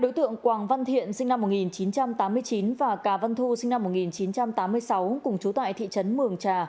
hai đối tượng quảng văn thiện và cà văn thu cùng trú tại thị trấn mường trà